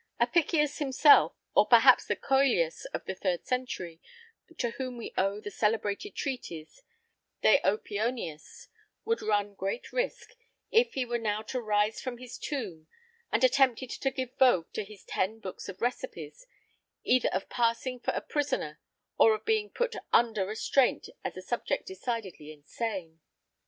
Apicius himself, or perhaps the Cœlius of the 3rd century, to whom we owe the celebrated treatise "De Opeoniis," would run great risk if he were now to rise from his tomb, and attempted to give vogue to his ten books of recipes either of passing for a poisoner or of being put under restraint as a subject decidedly insane.